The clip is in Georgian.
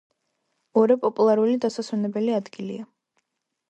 ორე პოპულარული დასასვენებელი ადგილია.